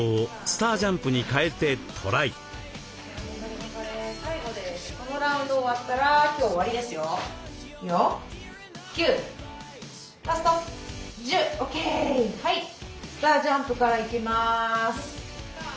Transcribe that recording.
スター・ジャンプからいきます。